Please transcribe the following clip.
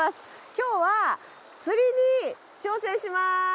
今日は釣りに挑戦します！